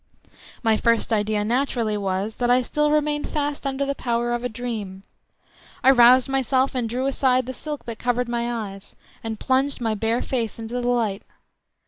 My first idea naturally was, that I still remained fast under the power of a dream. I roused myself and drew aside the silk that covered my eyes, and plunged my bare face into the light.